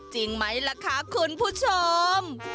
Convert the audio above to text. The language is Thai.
จริงไหมล่ะคะคุณผู้ชม